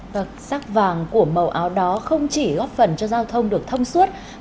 và sắc vàng của màu áo đó không chỉ góp phần cho giao thông được thông suốt